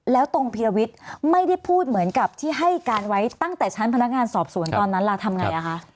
แล้วตรงพีรวิทย์ไม่ได้พูดเหมือนกับที่ให้การไว้ตั้งแต่ชั้นพนักงานสอบสวนตอนนั้นล่ะทำไงคะ